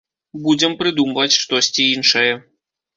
Будзем прыдумваць штосьці іншае.